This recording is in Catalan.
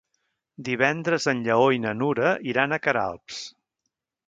Divendres en Lleó i na Nura iran a Queralbs.